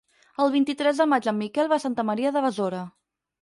El vint-i-tres de maig en Miquel va a Santa Maria de Besora.